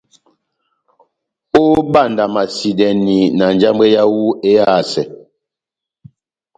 Óbandamasidɛni na njambwɛ yáwu éhásɛ.